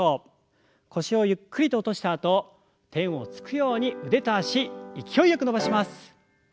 腰をゆっくりと落としたあと天をつくように腕と脚勢いよく伸ばします。